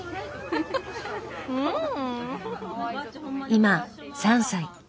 今３歳。